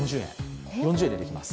４０円でできます。